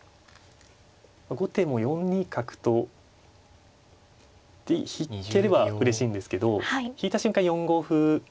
後手も４二角と引ければうれしいんですけど引いた瞬間４五歩。